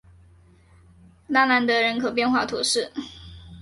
拉兰德人口变化图示